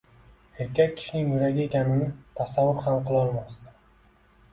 Erkak kishining yuragi ekanini tasavvur ham qilolmasdim.